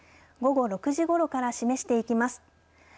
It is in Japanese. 午後６時ごろから示していきます。